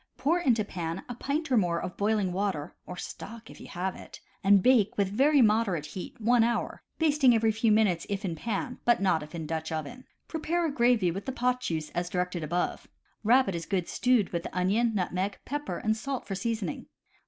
Pour into pan a pint or more of boiling water (or stock, if you have it), and bake with very moderate heat, one hour, basting every few minutes if in pan, but not if in Dutch oven. Prepare a gravy with the pot juice, as directed above. Rabbit is good stewed with onion, nutmeg, pepper and salt for seasoning.